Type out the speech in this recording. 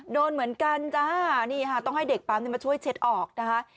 โดนเหมือนกันจ้านี่ค่ะต้องให้เด็กปั๊มมาช่วยเช็ดออกนะคะ